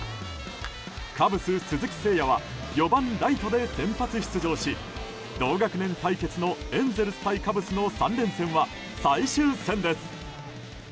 カブス、鈴木誠也は４番ライトで先発出場し同学年対決のエンゼルス対カブスの３連戦は最終戦です。